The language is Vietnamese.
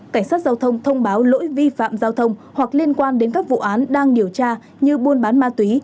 cảnh sát giao thông thông báo lỗi vi phạm giao thông hoặc liên quan đến các vụ án đang điều tra như buôn bán ma túy